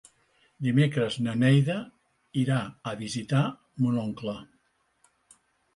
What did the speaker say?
Dimecres na Neida irà a visitar mon oncle.